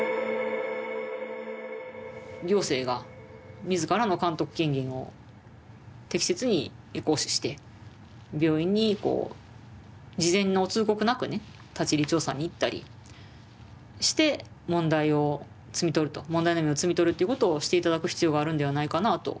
行政が自らの監督権限を適切に行使して病院にこう事前の通告なくね立ち入り調査に行ったりして問題を摘み取ると問題の芽を摘み取るということをして頂く必要があるんではないかなあと。